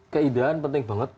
keindahan penting banget